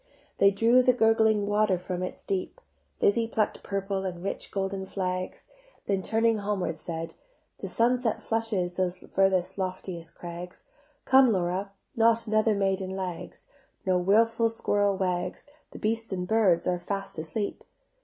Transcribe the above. They drew the gurgling water from its deep; Lizzie pluck'd purple and rich golden flags, Then turning homeward said: "The sunset flushes Those furthest loftiest crags; Come, Laura, not another maiden lags. No wilful squirrel wags, The beasts and birds are fast asleep."